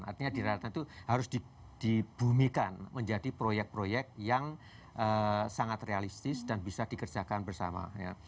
artinya di rata itu harus dibumikan menjadi proyek proyek yang sangat realistis dan bisa dikerjakan bersama